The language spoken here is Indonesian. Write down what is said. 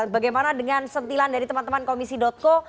bagaimana dengan sentilan dari teman teman komisi co